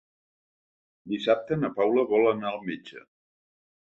Dissabte na Paula vol anar al metge.